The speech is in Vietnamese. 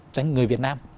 doanh nghiệp người việt nam